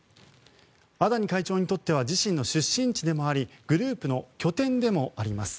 アダニ会長にとっては自身の出身地でもありグループの拠点でもあります。